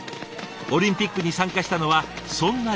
オリンピックに参加したのはそんな夢のため。